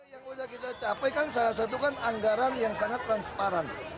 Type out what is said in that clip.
yang boleh kita capaikan salah satu kan anggaran yang sangat transparan